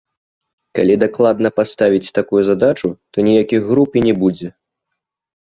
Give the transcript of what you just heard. Калі дакладна паставіць такую задачу, то ніякіх груп і не будзе.